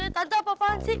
tante apa apaan sih